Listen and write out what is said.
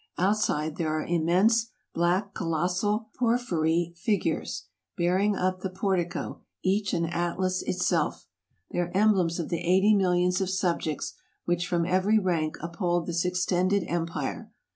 Outside, there are im mense black colossal porphyry figures, bearing up the por tico, each an Atlas itself. They are emblems of the eighty millions of subjects, which from every rank uphold this ex tended empire.